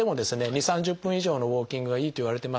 ２０３０分以上のウォーキングがいいといわれてます。